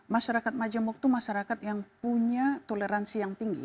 masyarakat majemuk itu masyarakat yang punya toleransi yang tinggi